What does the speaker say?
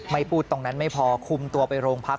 ไม่พูดตรงนั้นไม่พอคุมตัวไปโรงพัก